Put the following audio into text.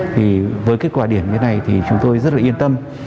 thì với kết quả điểm như này thì chúng tôi rất là yên tâm